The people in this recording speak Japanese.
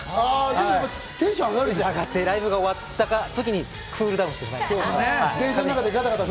でもテンション上がって、ライブが終わったときにクールダウンしました。